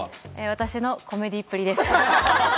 私のコメディーっぷりです。